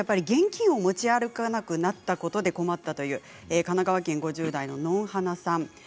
現金を持ち歩かなくなったことで困ったという神奈川県５０代の方からです。